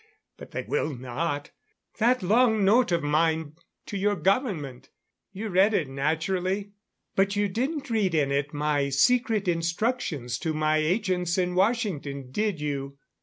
But they will not. That long note of mine to your government you read it, naturally. But you didn't read in it my secret instructions to my agents in Washington, did you?